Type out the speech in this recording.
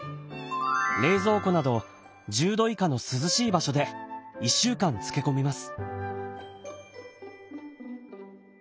冷蔵庫など１０度以下の涼しい場所で１週間漬け込みます。